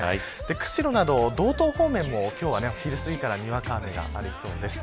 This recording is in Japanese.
釧路など道東方面も、今日は昼すぎからにわか雨がありそうです。